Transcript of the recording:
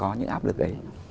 không có những áp lực đấy